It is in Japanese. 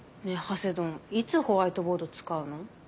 ハセドンいつホワイトボード使うの？